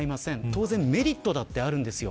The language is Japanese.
当然、メリットもあります。